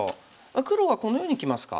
黒はこのようにきますか。